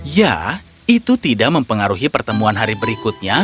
ya itu tidak mempengaruhi pertemuan hari berikutnya